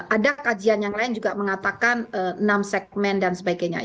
ada kajian yang lain juga mengatakan enam segmen dan sebagainya